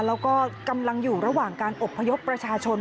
แล้วก็กำลังอยู่ระหว่างการอบพยพประชาชน